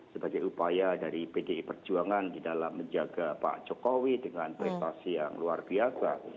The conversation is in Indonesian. sebagai upaya dari pdi perjuangan di dalam menjaga pak jokowi dengan prestasi yang luar biasa